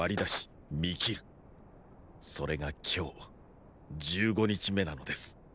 それが今日“十五日目”なのです。